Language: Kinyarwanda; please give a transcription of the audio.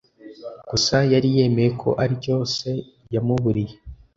Gusa yari yemeye ko aricyo se yamuburiye!